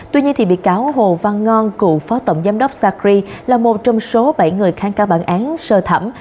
tuy nhiên bị cáo hồ văn ngon cựu phó tổng giám đốc sacri là một trong số bảy người kháng cáo bản án sơ thẩm